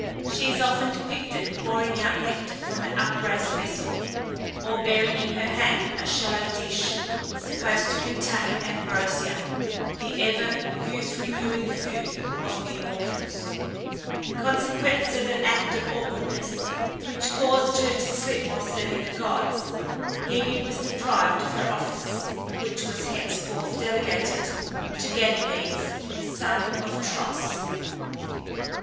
She is often depicted pouring out nectar from an upraised vessel, or bearing in her hand a shallow dish, supposed to contain ambrosia, the ever youth renewing food of the immortals. In consequence of an act of awkwardness, which caused her to slip while serving the gods, Hebe was deprived of her office, which was henceforth delegated to Ganymedes, son of Tros.